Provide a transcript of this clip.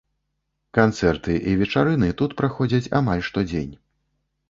Канцэрты і вечарыны тут праходзяць амаль штодзень.